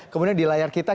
kemudian di layar kita